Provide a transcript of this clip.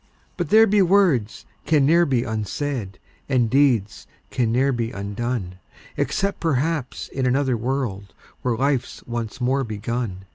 But there be words can ne'er be unsaid, And deeds can ne'er be undone, Except perhaps in another world, Where life's once more begun.